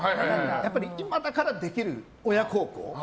やっぱり今だからできる親孝行。